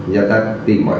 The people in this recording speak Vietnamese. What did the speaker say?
nhà ta tìm